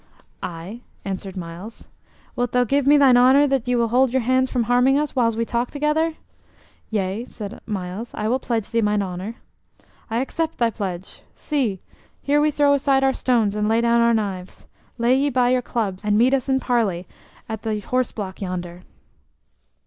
"Aye," answered Myles. "Wilt thou give me thine honor that ye will hold your hands from harming us whiles we talk together?" "Yea," said Myles, "I will pledge thee mine honor." "I accept thy pledge. See! here we throw aside our stones and lay down our knives. Lay ye by your clubs, and meet us in parley at the horse block yonder."